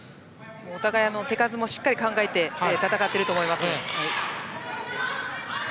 お互い、手数もしっかり考えて戦っていると思います。